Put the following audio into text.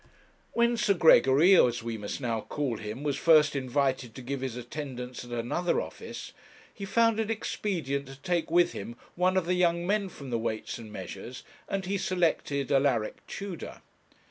When Sir Gregory, as we must now call him, was first invited to give his attendance at another office, he found it expedient to take with him one of the young men from the Weights and Measures, and he selected Alaric Tudor.